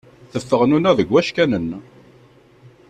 Teffeɣ nuna deg wackanen.